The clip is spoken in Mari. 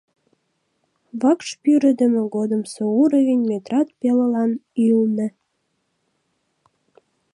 Вакш пӱрыдымӧ годымсо уровень метрат пелылан ӱлнӧ...